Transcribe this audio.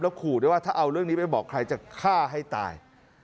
ขู่ด้วยว่าถ้าเอาเรื่องนี้ไปบอกใครจะฆ่าให้ตาย